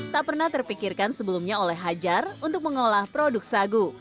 tak pernah terpikirkan sebelumnya oleh hajar untuk mengolah produk sagu